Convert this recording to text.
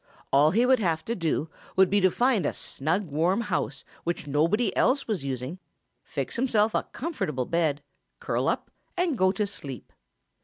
All he would have to do would be to find a snug, warm house which nobody else was using, fix himself a comfortable bed, curl up, and go to sleep.